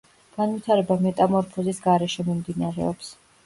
განვითარება მეტამორფოზის გარეშე მიმდინარეობს.